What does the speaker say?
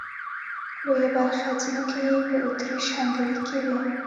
لويه برخه ځمکې یې په اتریش هنګري کې وې.